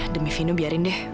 demi vino biarin deh